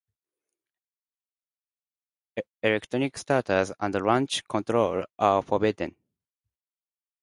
Electronic starters and launch control are forbidden.